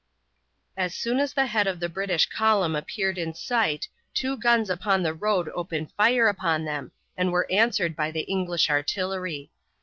As soon as the head of the British column appeared in sight two guns upon the road opened fire upon them and were answered by the English artillery.